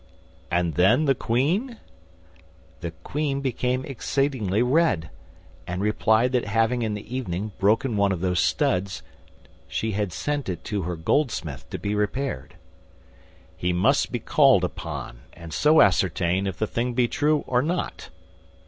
"And then the queen?" "The queen became exceedingly red, and replied that having in the evening broken one of those studs, she had sent it to her goldsmith to be repaired." "He must be called upon, and so ascertain if the thing be true or not."